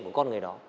của con người đó